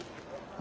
あ。